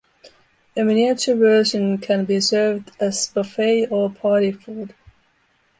A miniature version can be served as buffet or party food.